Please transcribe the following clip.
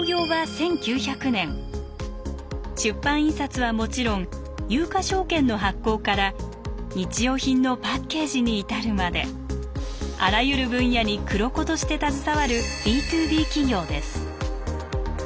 出版印刷はもちろん有価証券の発行から日用品のパッケージに至るまであらゆる分野に黒子として携わるＢｔｏＢ企業です。